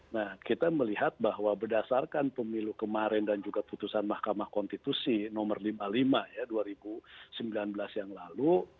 nah kita melihat bahwa berdasarkan pemilu kemarin dan juga putusan mahkamah konstitusi nomor lima puluh lima dua ribu sembilan belas yang lalu